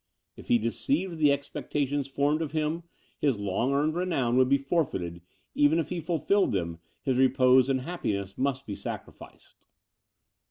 If he deceived the expectations formed of him, his long earned renown would be forfeited; even if he fulfilled them, his repose and happiness must be sacrificed.